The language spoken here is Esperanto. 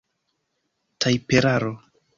tajperaro